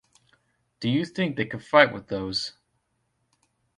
Do you think they could fight with those?